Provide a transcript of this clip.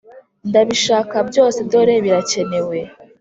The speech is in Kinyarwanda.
ndabishaka byose dore birakenewe.